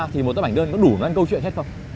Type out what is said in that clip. thì một tấm ảnh đơn có đủ để làm câu chuyện hết không